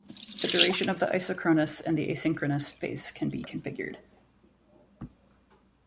The duration of the isochronous and the asynchronous phase can be configured.